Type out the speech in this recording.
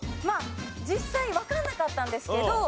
まあ実際わかんなかったんですけど